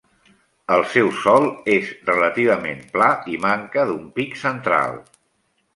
El seu sòl és relativament pla i manca d'un pic central.